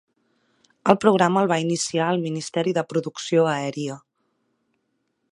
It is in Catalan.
El programa el va iniciar el Ministeri de Producció Aèria.